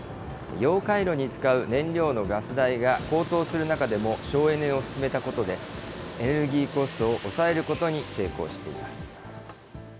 溶解炉に使う燃料のガス代が高騰する中でも省エネを進めたことで、エネルギーコストを抑えることに成功しています。